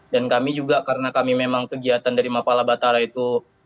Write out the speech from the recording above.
dan kami juga karena kami memang kegiatan dari mapala batara itu